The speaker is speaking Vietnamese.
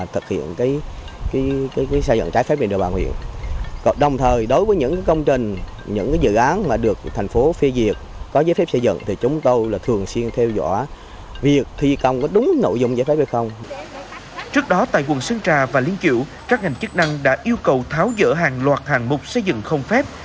trước đó tại quận sơn trà và liên triệu các ngành chức năng đã yêu cầu tháo dỡ hàng loạt hàng mục xây dựng không phép